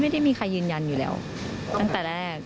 ไม่ได้มีใครยืนยันอยู่แล้วตั้งแต่แรก